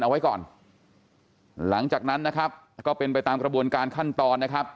เอาไว้ก่อนหลังจากนั้นนะครับก็เป็นไปตามกระบวนการขั้นตอนนะครับ